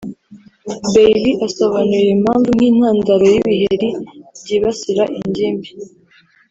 Bailey asobanura iyi mpamvu nk’intandaro y’ibiheri byibasira ingimbi